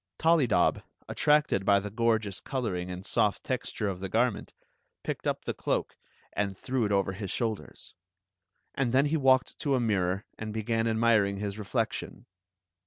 Tollydob, attracted by the gorgeous coloring and soft texture of the garment^ lacked up the cloak and ii6 Queen Zixi of Ix threw it over his shoulders; and then he walked to a mirror and began admiring his reflection.